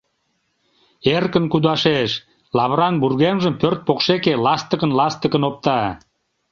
Эркын кудашеш, лавыран вургемжым пӧрт покшеке ластыкын-ластыкын опта.